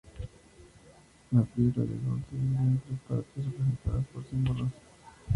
La "Piedra de Gol" se dividía en tres partes, representadas por símbolos.